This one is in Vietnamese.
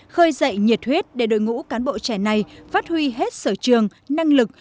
khơi dậy nhiệt huyết để đội ngũ cán bộ trẻ này phát huy hết sở trường năng lực